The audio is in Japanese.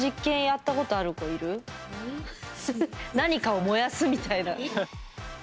何かを燃やすみたいな。